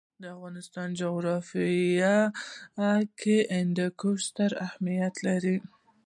د افغانستان جغرافیه کې هندوکش ستر اهمیت لري.